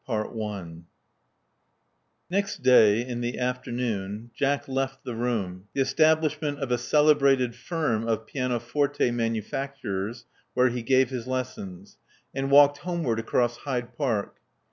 CHAPTER XIII Next day, in the afternoon, Jack left the room, the establishment of a celebrated firm of pianoforte manu facturers, where he gave his lessons, and walked home ward across Hyde Park.